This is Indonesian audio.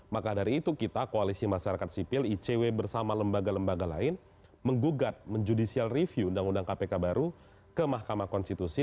maka dari itu kita koalisi masyarakat sipil icw bersama lembaga lembaga lain menggugat menjudicial review undang undang kpk baru ke mahkamah konstitusi